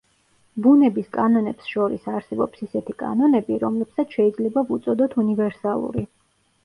ბუნების კანონებს შორის არსებობს ისეთი კანონები, რომლებსაც შეიძლება ვუწოდოთ უნივერსალური.